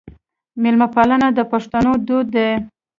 میلمه پالنه د پښتنو دود دی.